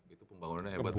itu pembangunannya hebat ya